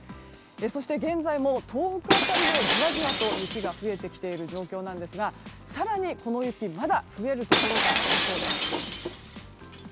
そして現在も東北辺りでじわじわと雪が増えてきている状況なんですが更にこの雪、まだ増えるところがありそうです。